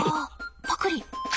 パクリ。